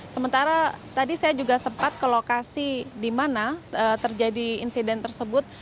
sementara tadi saya juga sempat ke lokasi di mana terjadi insiden tersebut